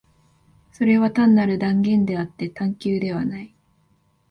それは単なる断言であって探求ではない。